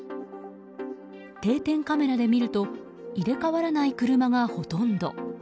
定点カメラで見ると入れ替わらない車がほとんど。